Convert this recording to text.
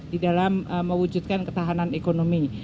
di dalam mewujudkan ketahanan ekonomi